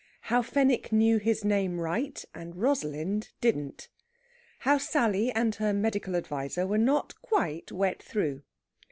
HOW FENWICK KNEW HIS NAME RIGHT, AND ROSALIND DIDN'T. HOW SALLY AND HER MEDICAL ADVISER WERE NOT QUITE WET THROUGH.